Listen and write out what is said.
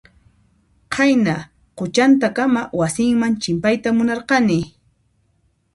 Qayna quchantakama wasinman chimpayta munarqani.